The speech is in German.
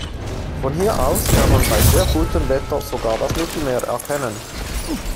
Von hier aus kann man bei sehr guten Wetter sogar das Mittelmeer erkennen.